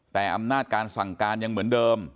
แต่อำนาจการสั่งการยังเหมือนเดิม